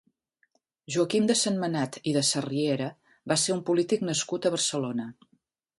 Joaquim de Sentmenat i de Sarriera va ser un polític nascut a Barcelona.